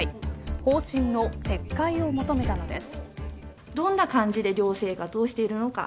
方針の撤回を求めたのです。